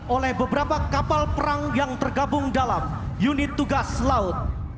oleh beberapa kapal perang yang tergabung dalam unit tugas laut